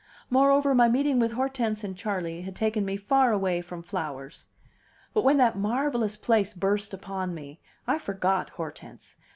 Moreover, my meeting with Hortense and Charley had taken me far away from flowers. But when that marvelous place burst upon me, I forgot Hortense.